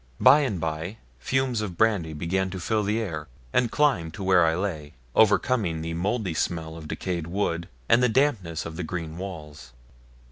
By and by fumes of brandy began to fill the air, and climb to where I lay, overcoming the mouldy smell of decayed wood and the dampness of the green walls.